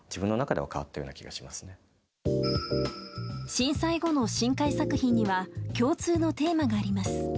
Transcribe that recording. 震災後の新海作品には共通のテーマがあります。